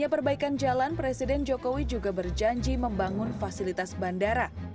perbaikan jalan presiden jokowi juga berjanji membangun fasilitas bandara